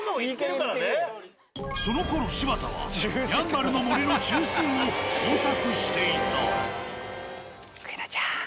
そのころ柴田はやんばるの森の中枢を捜索していた。